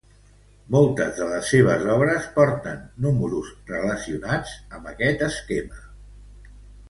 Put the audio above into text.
Moltes de les seues obres porten números relacionats amb este esquema.